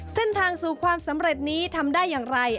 เส้นทางสู่ความสำเร็จนี้ทำได้อย่างไร